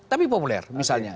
tapi populer misalnya